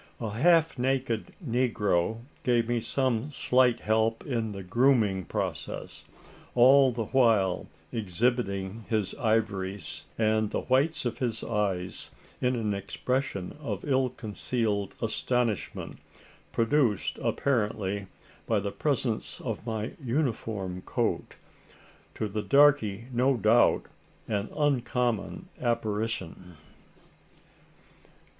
A half naked negro gave me some slight help in the "grooming" process all the while exhibiting his ivories and the whites of his eyes in an expression of ill concealed astonishment, produced apparently by the presence of my uniform coat to the "darkey," no doubt, an uncommon apparition.